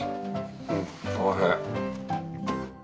うんおいしい。